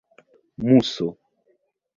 muso